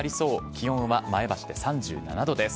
気温は前橋で３７度です。